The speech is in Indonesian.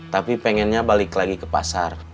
tapi pengennya balik lagi ke pasar